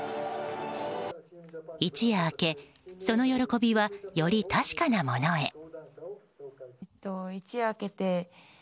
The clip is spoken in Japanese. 一夜明け、その喜びはより確かなものへ。